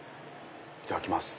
いただきます。